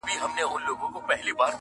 ګلعزاره، زلفې ماره، شهسواره، خوش رفتاره